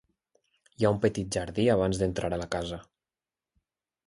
Hi ha un petit jardí abans d'entrar a la casa.